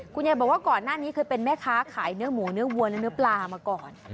คุณยายบอกว่าก่อนหน้านี้เคยเป็นแม่ค้าขายเนื้อหมูเนื้อวัวและเนื้อปลามาก่อน